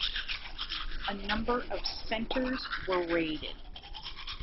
A number of centers were raided.